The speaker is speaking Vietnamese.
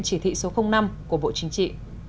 chỉ thị số năm của bộ chính trị